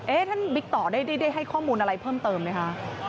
ท่านบิ๊กต่อได้ให้ข้อมูลอะไรเพิ่มเติมไหมคะ